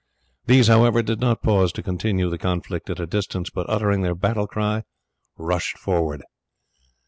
These, however, did not pause to continue the conflict at a distance, but uttering their battle cry rushed forward.